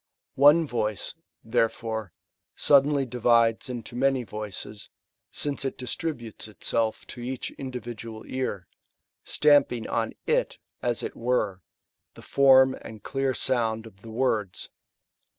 One voice, therefore, suddenly divides into many voices, since it distributes itself to each individual ear, stamping on t/; a« it were, the form and clear sound of the words.